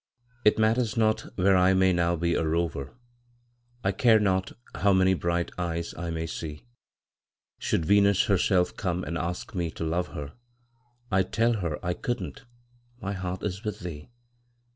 It matters not where I may now be a rover, I care not how many bright eyes I may see; Should Venus herself come and ask me to love her, I'd tell her I couldn't my heart is with thee.